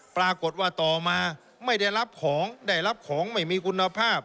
ปรากฏว่าต่อมาไม่ได้รับของได้รับของไม่มีคุณภาพ